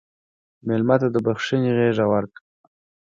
مېلمه ته د بښنې غېږ ورکړه.